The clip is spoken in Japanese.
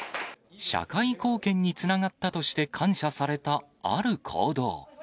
社会貢献につながったとして感謝された、ある行動。